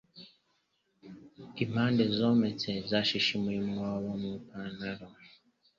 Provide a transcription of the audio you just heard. Impande zometse zashishimuye umwobo mu ipantaro.